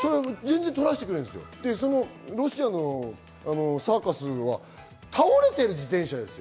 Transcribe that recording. ロシアのサーカスは倒れている自転車です。